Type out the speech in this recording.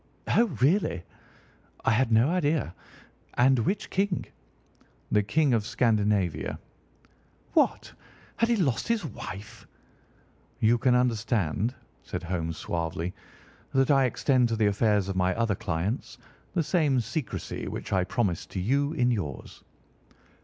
"Oh, really! I had no idea. And which king?" "The King of Scandinavia." "What! Had he lost his wife?" "You can understand," said Holmes suavely, "that I extend to the affairs of my other clients the same secrecy which I promise to you in yours."